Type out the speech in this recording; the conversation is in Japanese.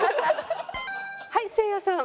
はいせいやさん。